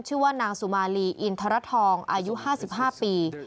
ชื่อว่านางสุมาลีอินทรทองอายุ๕๕ปี